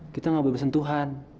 kita gak boleh bersentuhan